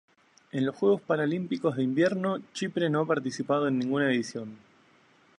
En los Juegos Paralímpicos de Invierno Chipre no ha participado en ninguna edición.